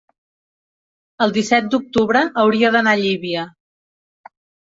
el disset d'octubre hauria d'anar a Llívia.